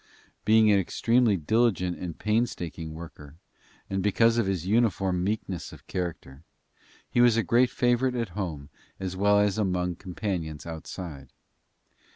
Being an extremely diligent and painstaking worker, and because of his uniform meekness of character, he was a great favorite at home as well as among his companions outside.